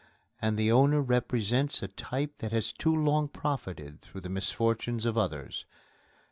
And the owner represented a type that has too long profited through the misfortunes of others.